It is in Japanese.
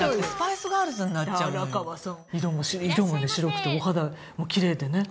荒川さん色が白くてお肌もきれいでね。